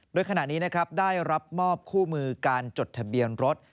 โดยขณะนี้นะครับได้รับมอบคู่มือการจดทะเบียนรถ